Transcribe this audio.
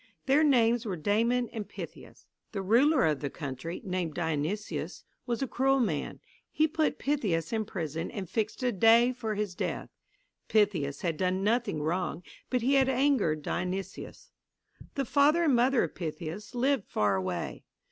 Their names were Damon and Pythias. The ruler of the country, named Dionysius, was a cruel man. He put Pythias in prison and fixed a day for his death. Pythias had done nothing wrong, but he had angered Dionysius. The father and mother of Pythias lived far away.